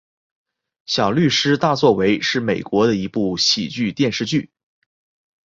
小律师大作为是美国的一部喜剧电视剧。